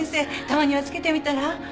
たまにはつけてみたら？